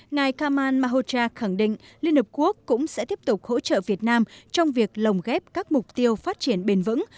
ngài kamal mahocha khẳng định liên hợp quốc cũng sẽ tiếp tục hỗ trợ việt nam trong việc lồng ghép các mục tiêu phát triển bền vững